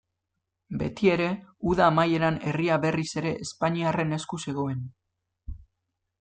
Beti ere, uda amaieran herria berriz ere espainiarren esku zegoen.